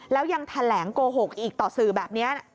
แล้วยังแถลงโกหกอีกต่อสื่อแบบนี้